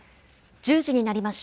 １０時になりました。